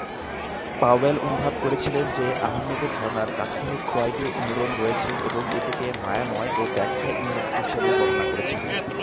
Powell অনুভব করেছিলেন যে আহমেদের ধারণার "তাৎক্ষণিক ফ্লয়েডিয় অনুরণন" রয়েছে এবং এটিকে "মায়াময় ও ব্যাখ্যায় উন্মুক্ত" হিসাবে বর্ণনা করেছেন।